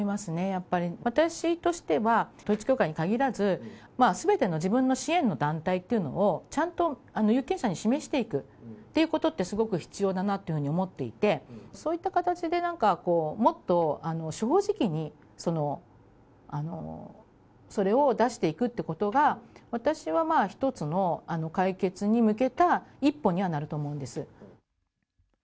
やっぱり、私としては統一教会に限らず、すべての自分の支援の団体というのをちゃんと有権者に示していくっていうことって、すごく必要だなというふうに思っていて、そういった形でもっと正直にそれを出していくってことが、私は一つの解決に向けた一歩にはなると思うんです。